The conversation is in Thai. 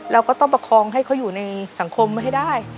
เราก็ต้องประคองให้เขาอยู่ในสังคมให้ได้